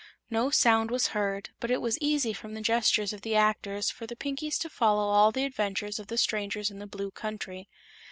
No sound was heard, but it was easy from the gestures of the actors for the Pinkies to follow all the adventures of the strangers in the Blue Country.